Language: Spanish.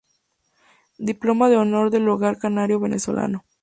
Diploma de Honor del Hogar Canario Venezolano.